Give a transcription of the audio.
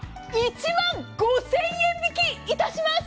１万５０００円引きいたします。